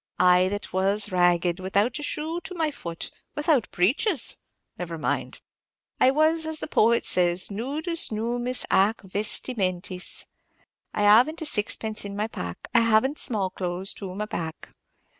I, that was ragged, without a shoe to my foot, without breeches, never mind, I was, as the poet says, nudus nummis ac vestimentis, "'I have n't sixpence in my pack, I have n't small clothes to my back.'